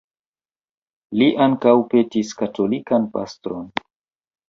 Li ankaŭ petis katolikan pastron.